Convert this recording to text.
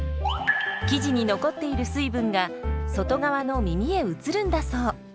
生地に残っている水分が外側のみみへ移るんだそう。